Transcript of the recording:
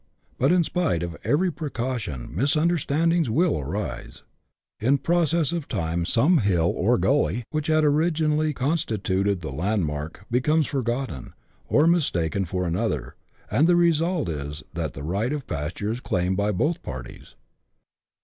But in spite of every precaution misunderstandings will arise ; in process of time some hill or gully, which had originally consti tuted the landmark, becomes forgotten, or mistaken for ano ther ; and the result is, that the right of pasture is claimed by both parties.